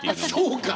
そうか。